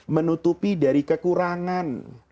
menutupi dari kekurangan